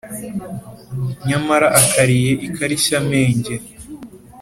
Nyamara akariye ikarishyamenge